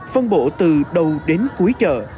phân bộ từ đầu đến cuối chợ